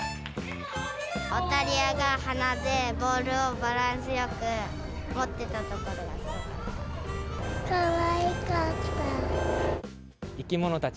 オタリアが鼻でボールをバランスよく持ってたところがすごかった。